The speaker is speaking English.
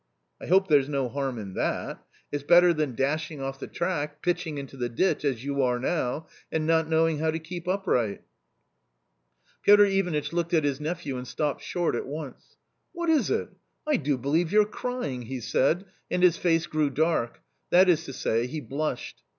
" I hope there's no harm in that; it's better than dashing 142 A COMMON STORY off the track, pitching into the ditch, as you are now, and not knowing how to keep upright." Piotr Ivanitch looked at his nephew and stopped short at once. " What is it ? I do believe you're crying !" he said, and his face grew dark ; that is to say, he blushed.